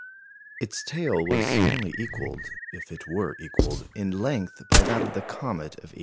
Its tail was only equalled (if it were equalled) in length by that of the comet of 1843.